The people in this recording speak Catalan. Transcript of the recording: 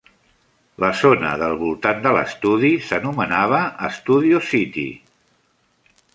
La zona del voltant de l'estudi s'anomenava Studio City.